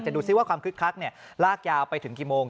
ดูซิว่าความคึกคักลากยาวไปถึงกี่โมง